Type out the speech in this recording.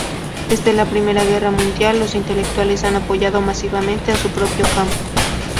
Desde la Primera Guerra Mundial, los intelectuales han apoyado masivamente a su propio campo.